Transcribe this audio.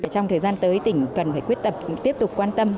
trong thời gian tới tỉnh cần phải quyết tâm tiếp tục quan tâm